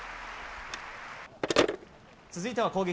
続いては攻撃。